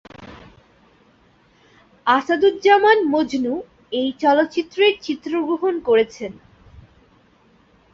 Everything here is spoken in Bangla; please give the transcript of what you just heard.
আসাদুজ্জামান মজনু এই চলচ্চিত্রের চিত্রগ্রহণ করেছেন।